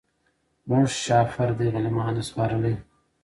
موږ شهپر دی غلیمانو ته سپارلی